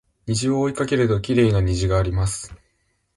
虹を追いかけるときれいな虹があります